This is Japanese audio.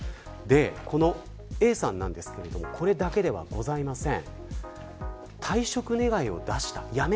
このＡさんなんですがこれだけではございません。